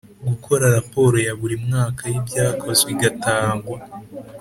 Gukora raporo ya buri mwaka y’ ibyakozwe igatagwa